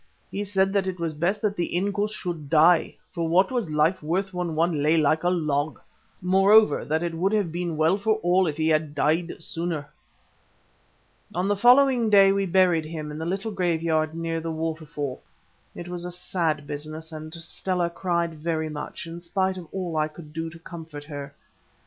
He said that it was best that the Inkoos should die, for what was life worth when one lay like a log?—moreover, that it would have been well for all if he had died sooner. On the following day we buried him in the little graveyard near the waterfall. It was a sad business, and Stella cried very much, in spite of all I could do to comfort her.